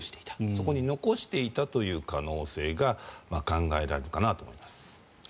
そこに残していたという可能性が考えられるかなと思います。